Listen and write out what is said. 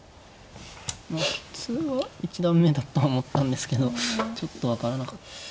普通は一段目だと思ったんですけどちょっと分からなかった。